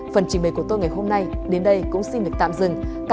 phần chỉ mề của tôi ngày hôm nay đến đây cũng xin cảm ơn các bạn đã theo dõi